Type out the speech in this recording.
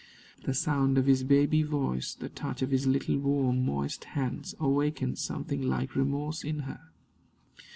The sound of his baby voice, the touch of his little warm, moist hands, awakened something like remorse in her.